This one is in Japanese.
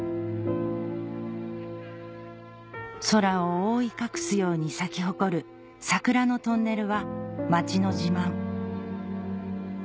空を覆い隠すように咲き誇る桜のトンネルは町の自慢